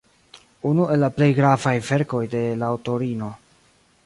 Unu el la plej gravaj verkoj de la aŭtorino.